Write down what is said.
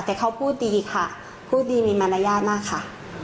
แต่เขาพูดดีค่ะพูดดีมีมารยาทมากค่ะ